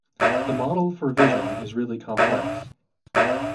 The model for vision in really complex.